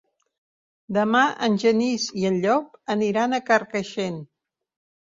Demà en Genís i en Llop aniran a Carcaixent.